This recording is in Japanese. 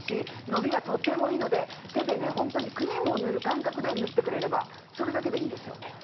のびがとてもいいので手でねホントにクリームを塗る感覚で塗ってくれればそれだけでいいんですよ